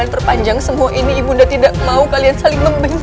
hanya aku yang melihat ibu nia menjadi seseorang bisa